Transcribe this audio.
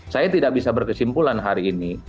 saya tidak bisa berkesimpulan hari ini